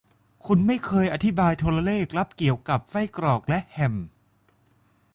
คุณไม่เคยอธิบายโทรเลขลับเกี่ยวกับไส้กรอกและแฮม